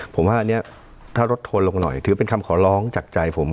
ผมว่าอันนี้ถ้าลดโทนลงหน่อยถือเป็นคำขอร้องจากใจผม